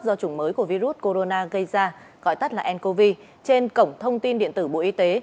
do chủng mới của virus corona gây ra gọi tắt là ncov trên cổng thông tin điện tử bộ y tế